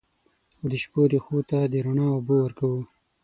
او د شپو رېښو ته د رڼا اوبه ورکوو